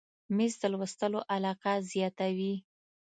مېز د لوستلو علاقه زیاته وي.